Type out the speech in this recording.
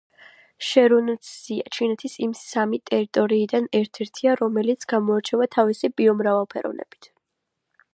შენუნცზია ჩინეთის იმ სამი ტერიტორიიდან ერთ-ერთია, რომელიც გამოირჩევა თავისი ბიომრავალფეროვნებით.